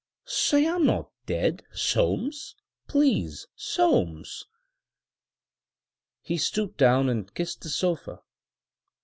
Say I'm not dead, Soames, please, Soames!" He stooped down and kissed the sofa.